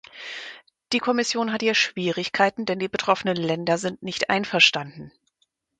Die Kommission hat hier Schwierigkeiten, denn die betroffenen Länder sind nicht einverstanden.